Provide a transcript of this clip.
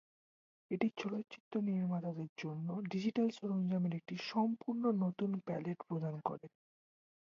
এটি চলচ্চিত্র নির্মাতাদের জন্য ডিজিটাল সরঞ্জামের একটি সম্পূর্ণ নতুন প্যালেট প্রদান করে।